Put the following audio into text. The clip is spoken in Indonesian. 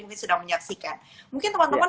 mungkin sudah menyaksikan mungkin teman teman